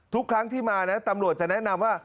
ทุกครั้งที่มานะตำรวจจะแนะนำว่า